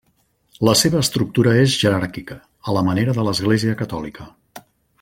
La seva estructura és jeràrquica, a la manera de l'Església Catòlica.